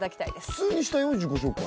普通にしたよ自己紹介。